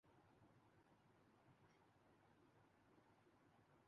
یہ انگریزوں کی ترجیحات نہیں تھیں۔